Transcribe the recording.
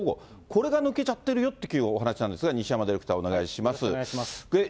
これが抜けちゃってるよっていうきょうはお話なんですが、西山デお願いします。